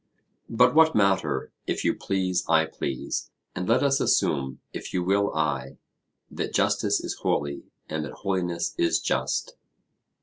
But what matter? if you please I please; and let us assume, if you will I, that justice is holy, and that holiness is just.